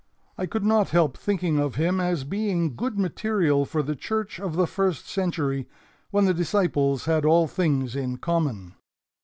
I could not help thinking of him as being good material for the church of the first century when the disciples had all things in common.